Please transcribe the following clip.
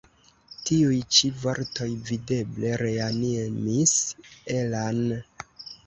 Tiuj ĉi vortoj videble reanimis Ella'n.